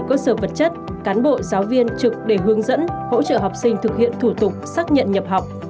cơ sở vật chất cán bộ giáo viên trực để hướng dẫn hỗ trợ học sinh thực hiện thủ tục xác nhận nhập học